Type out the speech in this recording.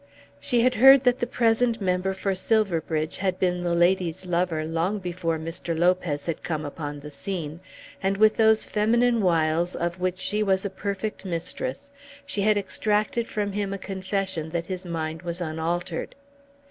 She had heard that the present member for Silverbridge had been the lady's lover long before Mr. Lopez had come upon the scene, and with those feminine wiles of which she was a perfect mistress she had extracted from him a confession that his mind was unaltered.